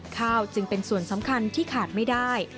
ข้าวจึงเป็นส่วนสำคัญที่ขาดไม่ได้